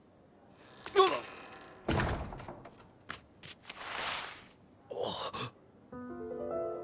なっ⁉あっ。